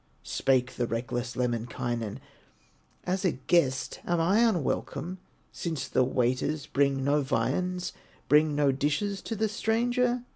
Spake the reckless Lemminkainen: "As a guest am I unwelcome, Since the waiters bring no viands, Bring no dishes to the stranger?"